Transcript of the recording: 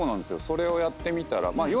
それをやってみたら。